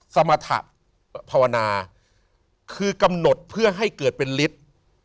สมรรถะภาวนาคือกำหนดเพื่อให้เกิดเป็นฤทธิ์